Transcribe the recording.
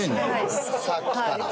さっきから。